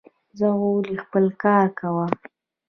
ځه غولی خپل کار کوه